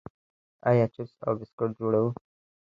آیا چپس او بسکټ جوړوو؟